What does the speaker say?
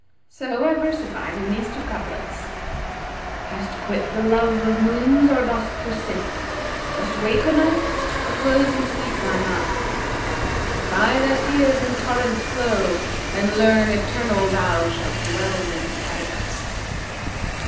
So I versified in these two couplets, 'Hast quit the love of Moons[FN#342] or dost persist? * Dost wake o' nights or close in sleep thine eyes? If aye thy tears in torrents flow, then learn * Eternal thou shalt dwell in Paradise.'